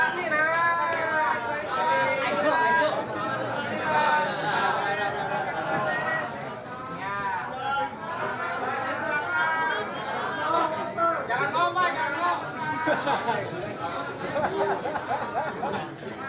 terima kasih pak